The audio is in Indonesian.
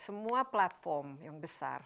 semua platform yang besar